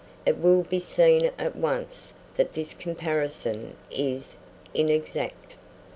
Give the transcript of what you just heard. It will be seen at once that this comparison is inexact.